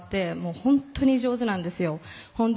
本当に上手なんですよ。